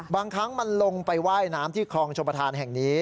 บางครั้งมันลงไปว่ายน้ำที่คลองชมประธานแห่งนี้